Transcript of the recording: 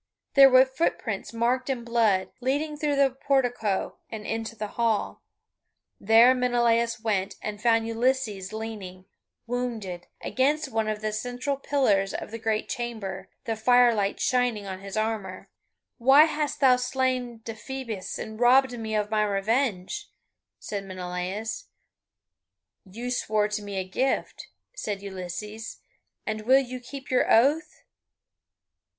There were footprints marked in blood, leading through the portico and into the hall. There Menelaus went, and found Ulysses leaning, wounded, against one of the central pillars of the great chamber, the firelight shining on his armour. "Why hast thou slain Deiphobus and robbed me of my revenge?" said Menelaus. "You swore to give me a gift," said Ulysses, "and will you keep your oath?"